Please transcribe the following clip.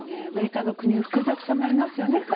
アメリカの複雑さもありますよね。